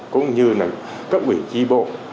cũng như là cấp ủy tri bộ